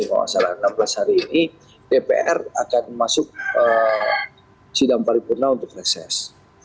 kalau tidak salah enam belas hari ini dpr akan masuk sidang paripurna untuk reses